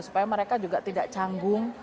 supaya mereka juga tidak canggung